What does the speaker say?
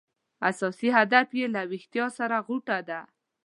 اساس هدف یې له ویښتیا سره غوټه ده.